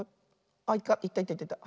あっいったいったいった。